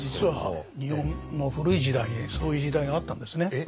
実は日本の古い時代にそういう時代があったんですね。